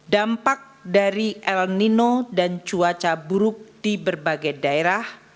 dampak dari el nino dan cuaca buruk di berbagai daerah